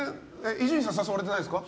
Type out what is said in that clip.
伊集院さん誘われてないですか？